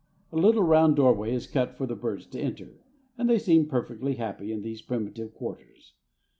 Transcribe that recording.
A little round doorway is cut for the birds to enter, and they seem perfectly happy in these primitive quarters.